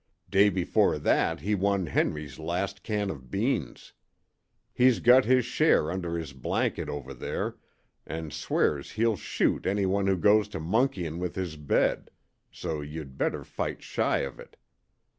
Day before that he won Henry's last can of beans. He's got his share under his blanket over there, and swears he'll shoot any one who goes to monkeyin' with his bed so you'd better fight shy of it.